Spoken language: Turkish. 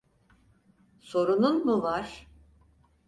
Sorunun mu var?